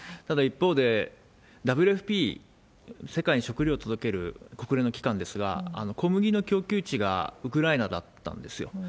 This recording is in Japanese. ただ一方で、ＷＦＰ、世界に食料を届ける国連の機関ですが、小麦の供給地がウクライナだったんですよ。